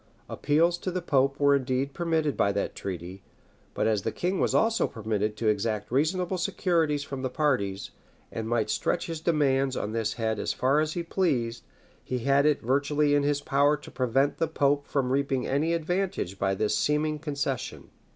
Appeals to the pope were indeed permitted by that treaty; but as the king was also permitted to exact reasonable securities from the parties, and might stretch his demands on this head as far as he pleased, he had it virtually in his power to prevent the pope from reaping any advantage by this seeming concession.